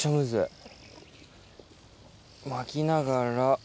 巻きながら。